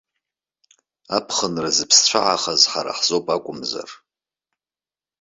Аԥхынра зыԥсцәаҳахаз ҳара ҳзоуп акәымзар.